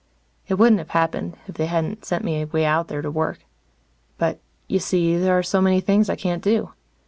It wouldn't have happened, if they hadn't sent me way out there to work. But, you see, there are so many things I can't do.